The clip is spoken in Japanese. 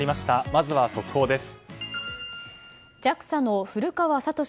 まずは速報です。